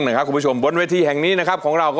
ของคุณผู้ชมบนแวที่แห่งนี้นะครับ